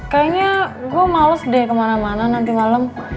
kayaknya gue males deh kemana mana nanti malam